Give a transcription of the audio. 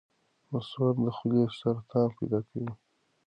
نسوار د خولې سرطان پیدا کوي.